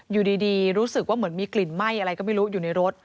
อยู่ดีรู้สึกว่าเหมือนมีกลิ่นไหม้อะไรก็ไม่รู้อยู่ในรถ